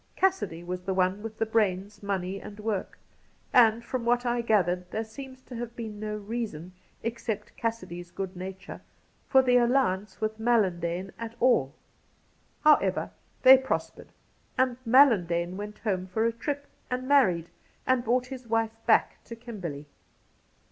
Cassidy was the one with the brains, money, and work ; and, from what I gathered, there seems to have been no reason, except Cassidy 's good nature, for the alliance with Mallandane at all. However, they pros pered, and MaUandane went home for a trip, and married and brought his wife back to Kimberley.